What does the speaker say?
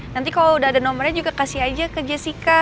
nanti kalau udah ada nomornya juga kasih aja ke jessica